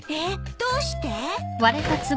どうして？